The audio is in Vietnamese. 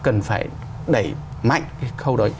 cần phải đẩy mạnh cái khâu đó